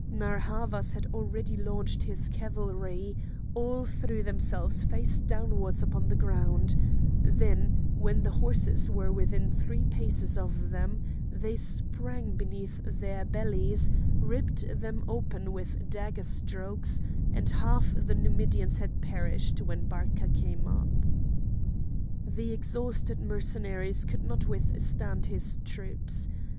Narr' Havas had already launched his cavalry; all threw themselves face downwards upon the ground; then, when the horses were within three paces of them, they sprang beneath their bellies, ripped them open with dagger strokes, and half the Numidians had perished when Barca came up. The exhausted Mercenaries could not withstand his troops.